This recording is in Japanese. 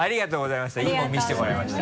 いもの見せてもらいました。